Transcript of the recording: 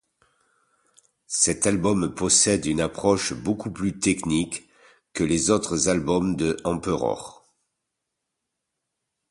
Cet album possède une approche beaucoup plus technique que les autres albums de Emperor.